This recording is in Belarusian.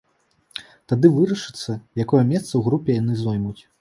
Тады вырашыцца, якое месца ў групе яны зоймуць.